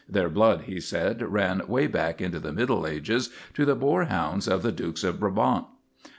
Their blood, he said, ran away back into the Middle Ages to the boarhounds of the Dukes of Brabant.